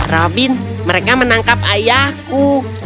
robin mereka menangkap ayahku